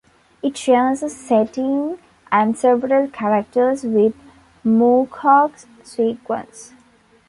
It shares a setting and several characters with Moorcock's sequence.